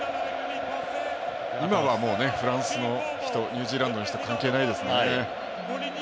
今はもうフランスの人もニュージーランドの人も関係ないですね。